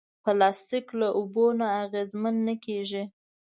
پلاستيک له اوبو نه اغېزمن نه کېږي.